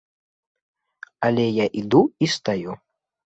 Але я іду і стаю.